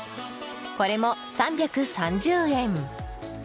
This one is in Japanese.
これも３３０円。